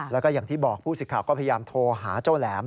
แล้วก็อย่างที่บอกผู้สิทธิ์ก็พยายามโทรหาเจ้าแหลม